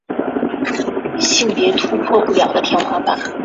卡普韦尔恩人口变化图示